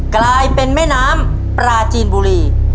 กลายเป็นแม่น้ำปลาจีนบุรี